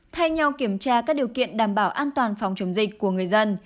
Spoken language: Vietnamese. thay nhau kiểm tra các điều kiện đảm bảo an toàn phòng chống dịch của người dân